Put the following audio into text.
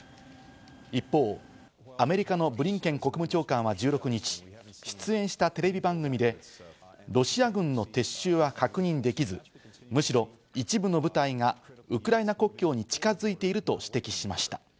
一方、アメリカのブリンケン国務長官は１６日、出演したテレビ番組でロシア軍の撤収は確認できず、むしろ一部の部隊がウクライナ国境に近づいていると指摘しました。